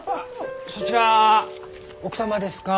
そちら奥様ですか？